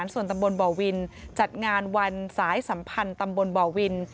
ส่วนตำบลบ่อวินจัดงานวันสายสัมพันธ์ตำบลบ่อวิน